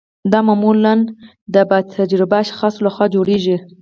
دا معمولا د با تجربه اشخاصو لخوا جوړیږي.